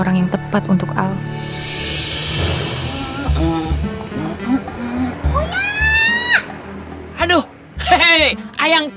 kamu tuh orang menurut gua dépend vietnamese